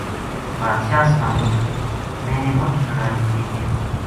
بادشاہ سلامت ! میں مچ لڑائی کئی ہے